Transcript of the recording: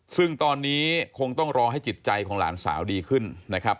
ซึ่งตอนนี้คงต้องรอให้จิตใจของหลานสาวดีขึ้นนะครับ